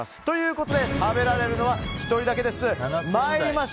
ということで食べられるのは１人だけです。